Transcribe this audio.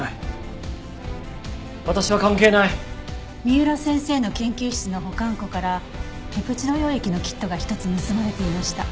三浦先生の研究室の保管庫からペプチド溶液のキットが１つ盗まれていました。